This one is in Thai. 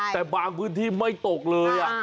แต่บางพื้นที่ไม่ตกเลย